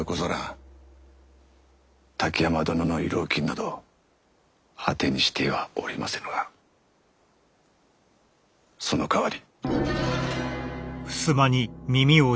滝山殿の慰労金など当てにしてはおりませぬがそのかわり。